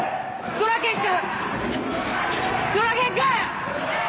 ドラケン君！